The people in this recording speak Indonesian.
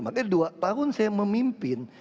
makanya dua tahun saya memimpin